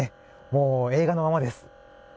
もう映画のままです。